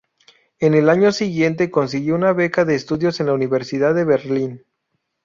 En el año siguiente consiguió una beca de estudios en la Universidad de Berlín.